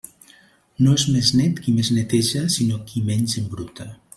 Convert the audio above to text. No és més net qui més neteja sinó qui menys embruta.